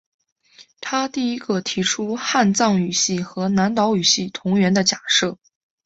他第一个提出汉藏语系和南岛语系同源的假设。